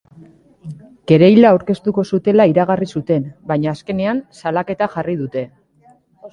Kereila aurkeztuko zutela iragarri zuten, baina azkenean salaketa jarri dute.